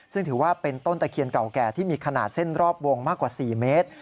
ซึ่งถือว่าเป็นต้นตะเคียนเก่าแก่ที่มีขนาดเส้นรอบวงมากกว่า๔เมตร